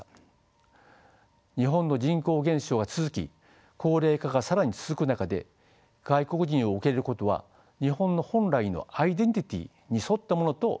日本の人口減少が続き高齢化が更に続く中で外国人を受け入れることは日本の本来のアイデンティティーに沿ったものと言えるのかもしれません。